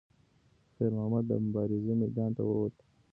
خیر محمد د مبارزې میدان ته وووت.